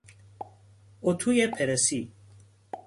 اتوی پرسی